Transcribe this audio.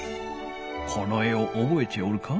この絵をおぼえておるか？